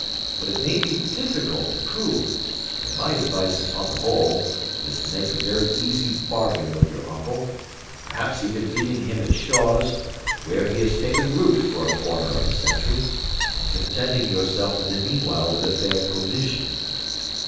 But it may be difficult to prove; and my advice (upon the whole) is to make a very easy bargain with your uncle, perhaps even leaving him at Shaws where he has taken root for a quarter of a century, and contenting yourself in the meanwhile with a fair provision."